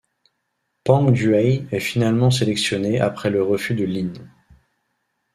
Peng Dehuai est finalement sélectionné après le refus de Lin.